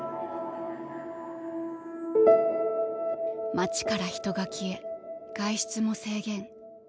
街から人が消え外出も制限。